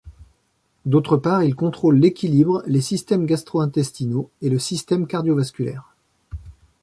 D'autre part, ils contrôlent l'équilibre, les systèmes gastro-intestinaux et le système cardiovasculaire.